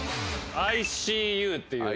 ＩＣＵっていう。